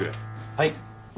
はい。